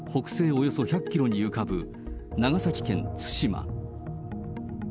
およそ１００キロに浮かぶ、長崎県対馬。